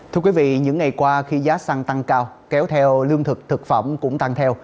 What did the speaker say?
thưa quý vị những ngày qua khi giá xăng tăng cao kéo theo lương thực thực phẩm cũng tăng theo